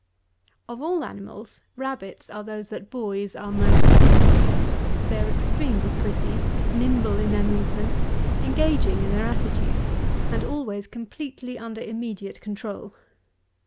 187. Of all animals rabbits are those that boys are most fond of. They are extremely pretty, nimble in their movements, engaging in their attitudes, and always completely under immediate control.